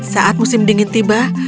saat musim dingin tiba